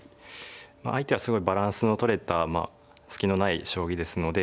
相手はすごいバランスのとれた隙のない将棋ですのでえま